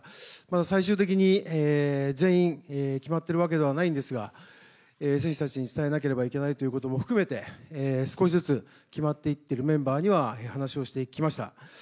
最終的に全員決まっているわけではないんですが選手たちに伝えなければならないということも含めて少しずつ決まっていっているメンバーには話をしてきました。